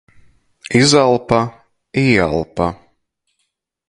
Izelpa, īelpa.